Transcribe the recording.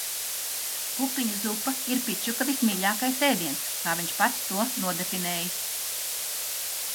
Pupiņu zupa ir Pičuka vismīļākais ēdiens, kā viņš pats to nodefinējis.